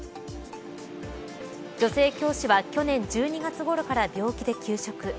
女性教師は、去年１２月ごろから病気で休職。